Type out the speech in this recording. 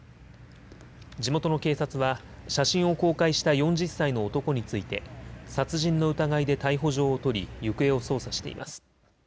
地元の警察は写真を公開した４０歳の男について殺人の疑いで逮捕状を取り行方を捜査しています。